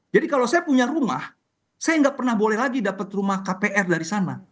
jadi kalau saya punya rumah saya nggak pernah boleh lagi dapat rumah kpr dari sana